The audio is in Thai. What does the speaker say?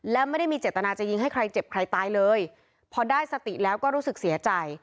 และไม่ได้มีเจตนาจะยิงให้ใครเจ็บใครตายเลยพอได้สติแล้วก็รู้สึกเสียใจ